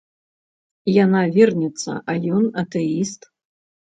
Яна верніца, а ён атэіст.